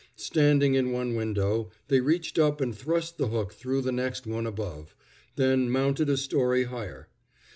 Standing in one window, they reached up and thrust the hook through the next one above, then mounted a story higher.